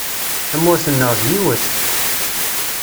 Tamurt-nneɣ d yiwet!